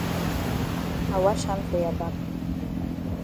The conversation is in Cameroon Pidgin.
I wash hand for ya back.